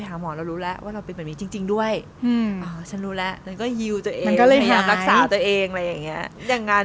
แต่ถ้าเราไม่ได้เมมอะ